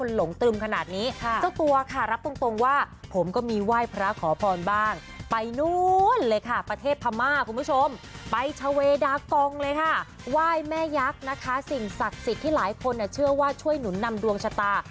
หลงเลยค่ะไหว้แม่ยักษ์นะคะสิ่งศักดิ์สิทธิ์ที่หลายคนเชื่อว่าช่วยหนุนนำดวงชะตา